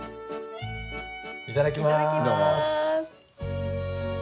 いただきます。